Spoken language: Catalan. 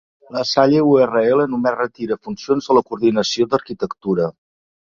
La Salle-URL només retira funcions a la coordinació d'Arquitectura